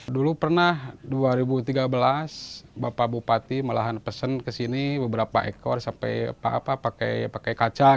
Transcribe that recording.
dulu pernah dua ribu tiga belas bapak bupati melahan pesen ke sini beberapa ekor sampai pak apa pakai kaca